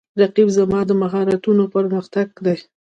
رقیب زما د مهارتونو پر مختګ دی